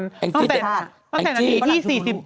ตั้งแต่นาทีที่๔๘